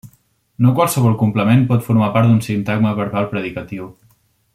No qualsevol complement pot formar part d'un sintagma verbal predicatiu.